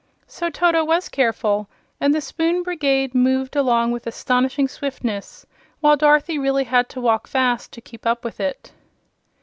So Toto was careful, and the Spoon Brigade moved along with astonishing swiftness, while Dorothy really had to walk fast to keep up with it.